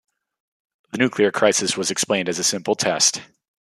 The nuclear crisis was explained as a simple test.